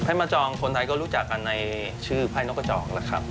มาจองคนไทยก็รู้จักกันในชื่อไพ่นกกระจองนะครับ